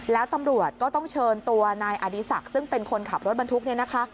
แล้วตำรวจก็ต้องเชิญตัวนายอดีศักดิ์ซึ่งเป็นคนขับรถบรรทุกเนี่ยนะคะ